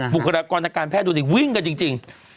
บุคลากรทางการแพทย์ดูดิวิ่งกันจริง